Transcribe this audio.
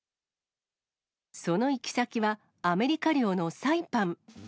その行き先は、アメリカ領のサイパン。